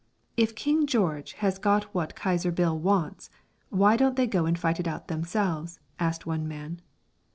"If King George 'as got wot Kaiser Bill wants, why don't they go and fight it out themselves?" asked one man.